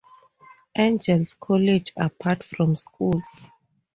Agnel's college, apart from schools.